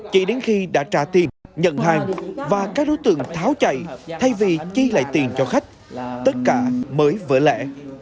chỉ đến khi đã trả tiền nhận hàng và các đối tượng tháo chạy thay vì chi lại tiền cho khách tất cả mới vỡ lẻ